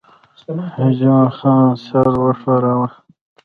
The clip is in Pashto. جمعه خان سر وښوراوه.